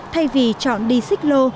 thay vì chọn đi xích lô